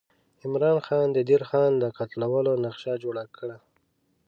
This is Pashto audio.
عمرا خان د دیر خان د قتلولو نقشه جوړه کړه.